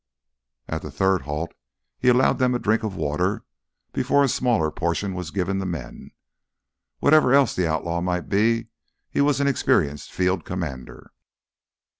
At the third halt he allowed them a drink of water before a smaller portion was given the men. Whatever else the outlaw might be, he was an experienced field commander.